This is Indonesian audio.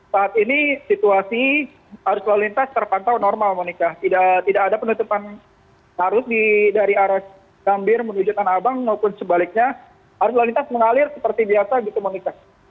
saat ini situasi arus lalu lintas terpantau normal monika tidak ada penutupan arus dari arah gambir menuju tanah abang maupun sebaliknya arus lalu lintas mengalir seperti biasa gitu monika